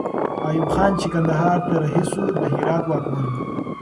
ایوب خان چې کندهار ته رهي سو، د هرات واکمن وو.